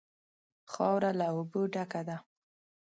خاوره له اوبو ډکه ده.